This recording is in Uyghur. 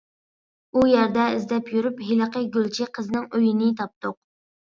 ئۇ يەردە ئىزدەپ يۈرۈپ ھېلىقى گۈلچى قىزنىڭ ئۆيىنى تاپتۇق.